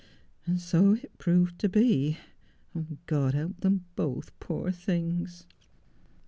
And so it proved to be. God help them both, poor things.'